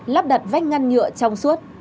lắp đặt vách ngăn nhựa trong suốt